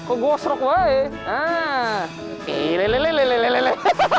oh serok banget ya